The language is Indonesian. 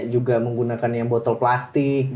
juga menggunakan yang botol plastik